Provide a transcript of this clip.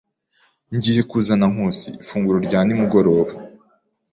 Ngiye kuzana Nkusi ifunguro rya nimugoroba.